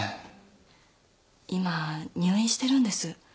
今入院してるんです。